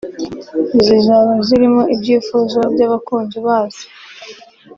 zizaba zirimo ibyifuzo by’abakunzi bazo